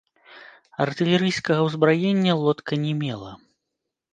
Артылерыйскага ўзбраення лодка не мела.